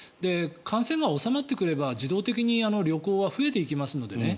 感染が収まってくれば自動的に旅行は増えていきますのでね。